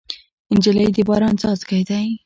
نجلۍ د باران څاڅکی ده.